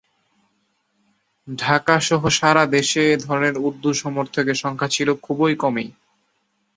ঢাকাসহ সারা দেশে এ ধরনের উর্দু সমর্থকের সংখ্যা ছিল খুব কমই।